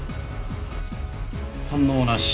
反応なし。